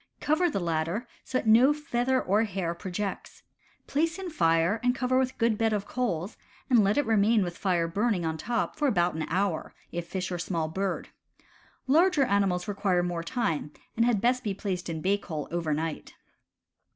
Cover the latter so that no feather or hair projects. Place in fire and cover with good bed of coals and let it remain with fire burning on top for about an hour, if a fish or small bird. Larger animals require more time, and had best be placed in bake hole over night.